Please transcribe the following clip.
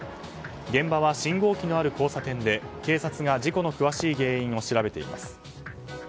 現場は信号機のある交差点で警察が事故の詳しい原因を調べています。